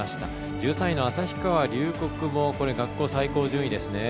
１３位の旭川龍谷も学校最高順位ですね